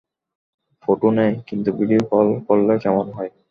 Photo নেই, কিন্তু video call করলে কেমন হয়?